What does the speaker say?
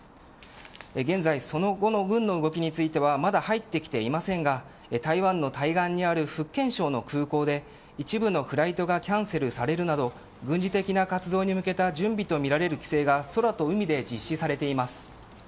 現在、その後の軍の動きについてはまだ入ってきていませんが台湾の対岸にある福建省の空港で一部のフライトがキャンセルされるなど軍事的な活動に向けた準備とみられる規制が空と海で実施されています。